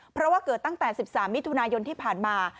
เพราะว่าเกิดตั้งแต่๑๓มิถุนายนที่ผ่านมา